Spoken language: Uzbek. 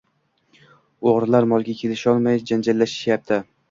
O‘g‘rilar molga kelisholmay janjallashishipti.